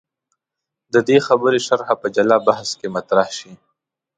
د دې خبرې شرحه په جلا بحث کې مطرح شي.